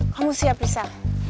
kamu siap risa